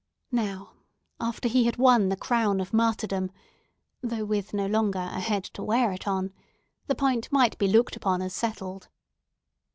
Now, after he had won the crown of martyrdom (though with no longer a head to wear it on), the point might be looked upon as settled.